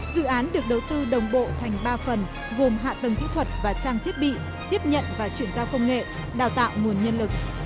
dự án được đầu tư đồng bộ thành ba phần gồm hạ tầng kỹ thuật và trang thiết bị tiếp nhận và chuyển giao công nghệ đào tạo nguồn nhân lực